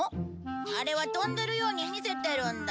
あれは飛んでるように見せてるんだ。